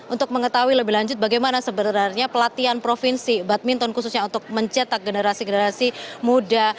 untuk mengetahui lebih lanjut bagaimana sebenarnya pelatihan provinsi badminton khususnya untuk mencetak generasi generasi muda